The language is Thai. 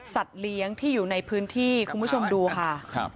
เลี้ยงที่อยู่ในพื้นที่คุณผู้ชมดูค่ะ